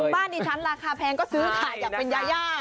เต็มบ้านดิบชั้นราคาแพงก็ซื้อขาอย่างมียะ